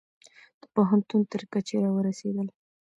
د پوهنتون تر کچې را ورسیدل